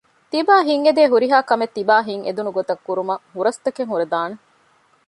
ތިބާ ހިތް އެދޭ ހުރިހާ ކަމެއް ތިބާ ހިތް އެދުނުގޮތަށް ކުރުމަށް ހުރަސްތަކެއް ހުރެދާނެ